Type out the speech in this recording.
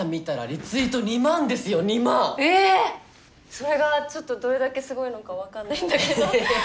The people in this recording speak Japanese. それがちょっとどれだけすごいのか分かんないんだけど。